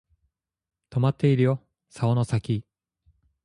とまっているよ竿の先